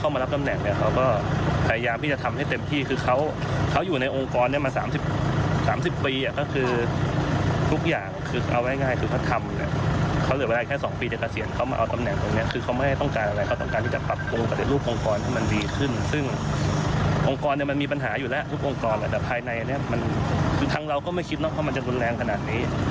มันมีปัญหาอยู่แล้วทุกองค์กรแต่ภายในทั้งเราก็ไม่คิดว่ามันจะรุนแรงขนาดนี้